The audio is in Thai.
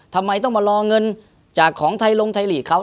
ทำไมต้องมารอเงินจากของไทยลงไทยลีกเขา